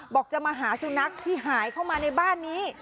บอกจะมาหาสุนัขที่หายเข้ามาในบ้านนี้